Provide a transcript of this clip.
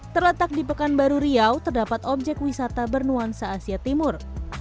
terletak di pekanbaru riau terdapat objek wisata bernuansa asia timur